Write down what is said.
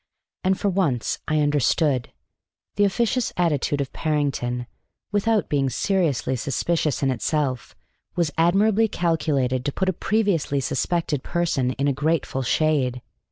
And for once I understood: the officious attitude of Parrington, without being seriously suspicious in itself, was admirably calculated to put a previously suspected person in a grateful shade.